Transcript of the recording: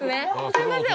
すいません